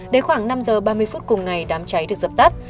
đến khoảng năm giờ ba mươi phút cùng ngày đám cháy được dập tắt